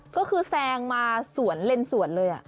ก็คือแซงมาสวนเลนสวนเลย